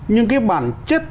nhưng cái bản chất